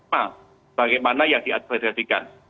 nah bagaimana yang diadversifikan